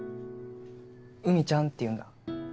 うみちゃんっていうんだ？